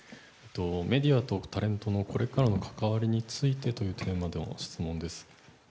メディアとタレントのこれからの関わりについてというテーマでの質問です。